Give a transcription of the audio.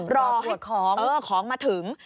รอให้ของเออของมาถึง